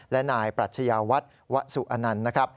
และนายปรัชญาวัฒน์วะสุอนันต์นะครับ